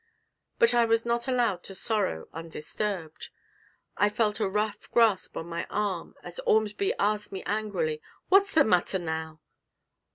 But I was not allowed to sorrow undisturbed; I felt a rough grasp on my arm, as Ormsby asked me angrily, 'What's the matter now?'